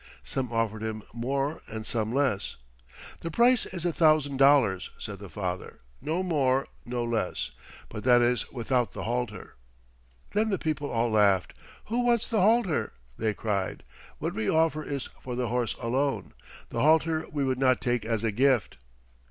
Some offered him more and some less. "The price is a thousand dollars," said the father, "no more, no less. But that is without the halter." Then the people all laughed. "Who wants the halter?" they cried. "What we offer is for the horse alone. The halter we would not take as a gift."